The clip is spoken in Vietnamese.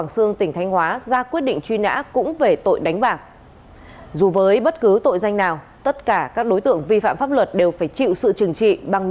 xin chào các bạn